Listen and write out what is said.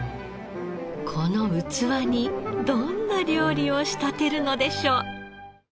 この器にどんな料理を仕立てるのでしょう？